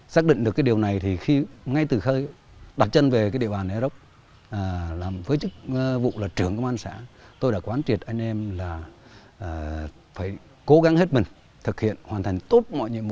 xác định được cái điều này thì khi ngay từ khơi đặt chân về cái địa bàn ea rốc làm với chức vụ là trưởng công an xã tôi đã quán triệt anh em là phải cố gắng hết mình thực hiện hoàn thành